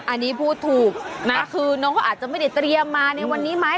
อันนี้พูดถูกนะคือน้องเขาอาจจะไม่ได้เตรียมมาในวันนี้ไหม